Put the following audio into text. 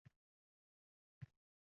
Dalaga chiqaman